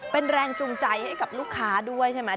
เป็นแรงจูงใจให้กับลูกค้าด้วยใช่ไหม